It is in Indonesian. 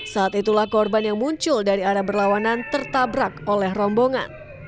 saat itulah korban yang muncul dari arah berlawanan tertabrak oleh rombongan